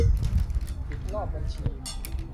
ปิดรอบบัญชี